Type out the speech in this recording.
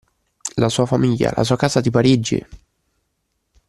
La sua famiglia, la sua casa di Parigi!